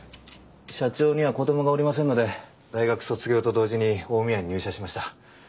社長には子供がおりませんので大学卒業と同時に近江屋に入社しました。